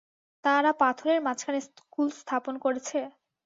তারা পাথরের মাঝখানে স্কুল স্থাপন করেছে?